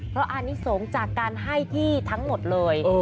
เพราะอานิสงฆ์จากการให้ที่ทั้งหมดเลย